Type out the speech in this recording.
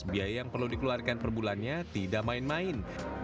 biaya yang perlu dikeluarkan per bulannya tidak main main